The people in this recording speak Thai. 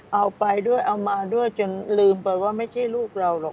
เอาไปด้วยเอามาด้วยจนลืมไปว่าไม่ใช่ลูกเราหรอก